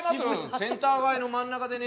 センター街の真ん中でね